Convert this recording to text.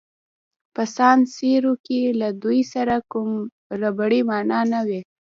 په سان سیرو کې له دوی سره کوم ربړي مانع نه وو.